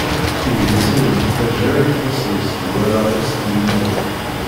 Idlisen ur nettaǧa ara ifassen-is d wallaɣ-is d ilmawen.